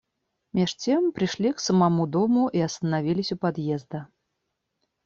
Меж тем пришли к самому дому и остановились у подъезда.